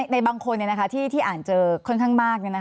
ในบางคนที่อ่านเจอค่อนข้างมาก